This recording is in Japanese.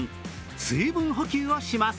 水分補給をします。